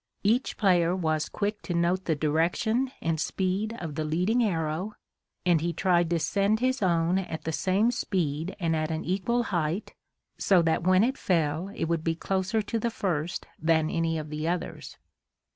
Each player was quick to note the direction and speed of the leading arrow and he tried to send his own at the same speed and at an equal height, so that when it fell it would be closer to the first than any of the others.